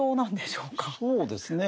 そうですね。